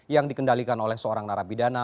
yang dikendalikan oleh seorang narapidana